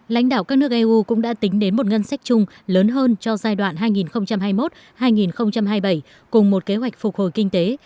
lãnh đạo các nước eu cũng đã tính đến một ngân sách chung lớn hơn cho giai đoạn hai nghìn hai mươi một hai nghìn hai mươi bảy cùng một kế hoạch phục hồi kinh tế